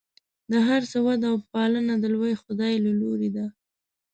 د هر څه وده او پالنه د لوی خدای له لورې ده.